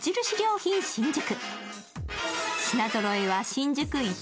品ぞろえは新宿一。